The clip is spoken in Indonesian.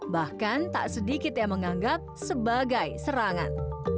bahkan tak sedikit yang menganggap sebagai serangan